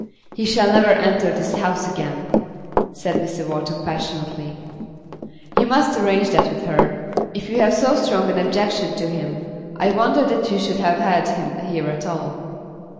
"He shall never enter this house again," said Mr. Wharton passionately. "You must arrange that with her. If you have so strong an objection to him, I wonder that you should have had him here at all."